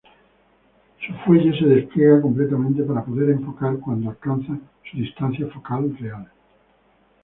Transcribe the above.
Su fuelle se despliega completamente para poder enfocar cuando alcanza su distancia focal real.